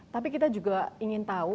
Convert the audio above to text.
tapi kita juga ingin tahu